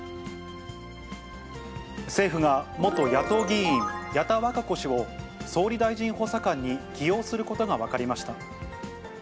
政府が、元野党議員、矢田稚子氏を、総理大臣補佐官に起用することが分かりました。